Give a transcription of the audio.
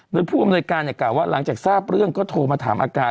โดยผู้อำนวยการกล่าวว่าหลังจากทราบเรื่องก็โทรมาถามอาการ